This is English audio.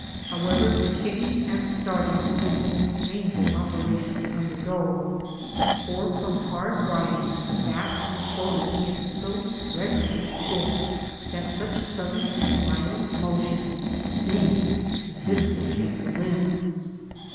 However, the kicking at starting is a most painful operation to undergo, for from hard riding the back and shoulders get so dreadfully stiff, that such sudden and violent motion seems to dislocate the limbs.